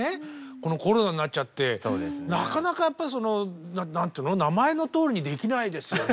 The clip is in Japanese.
このコロナになっちゃってなかなかやっぱりその名前のとおりにできないですよね。